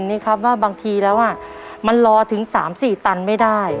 นี่ครับว่าบางทีแล้วมันรอถึง๓๔ตันไม่ได้